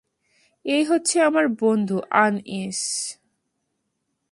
এই হচ্ছে আমার বন্ধু, আনইস।